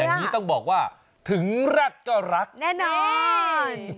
อย่างนี้ต้องบอกว่าถึงแร็ดก็รักแน่นอน